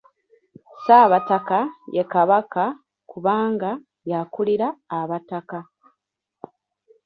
Ssaabataka ye Kabaka kubanga y’akulira abataka.